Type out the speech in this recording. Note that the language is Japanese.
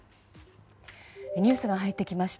ニュースが入ってきました。